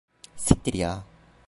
Siktir ya.